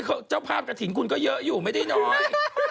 เจ้าภาพกระถิ่นคุณก็เยอะอยู่ไม่ได้น้อย